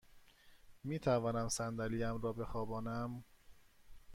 می توانم صندلی ام را بخوابانم؟